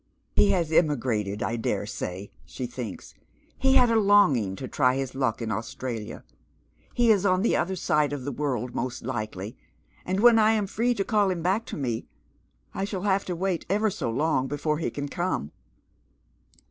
" He has emigrated, I dare say," she thinks. " He had a longing to tiy his luck in Australia. He is on the other side of the world, most likely, and when I am free to call him back to me, I shall have to wait ever so long before he can come."